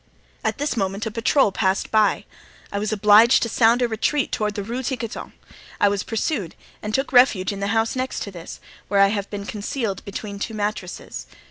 At this moment a patrol passed by. I was obliged to sound a retreat toward the Rue Tiquetonne; I was pursued and took refuge in the house next to this, where I have been concealed between two mattresses.